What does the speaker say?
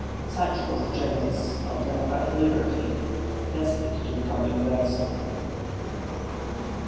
Such was the genesis of democratic liberty, destined to become universal.